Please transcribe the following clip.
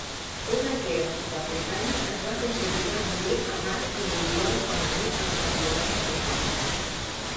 Una arquera sud-africana es va classificar en tir amb arc individual femení als campionats africans.